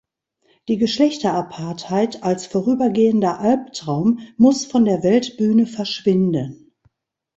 Die Geschlechter-Apartheid als vorübergehender Alptraum muss von der Weltbühne verschwinden!